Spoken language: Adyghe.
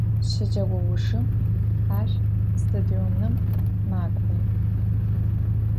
Щэджэгъоужым ар стадионым макӏо.